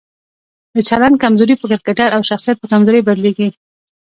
د چلند کمزوري په کرکټر او شخصیت په کمزورۍ بدليږي.